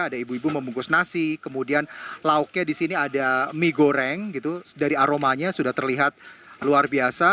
ada ibu ibu membungkus nasi kemudian lauknya di sini ada mie goreng gitu dari aromanya sudah terlihat luar biasa